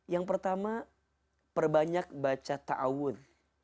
yang pertama perbanyak baca ta'awud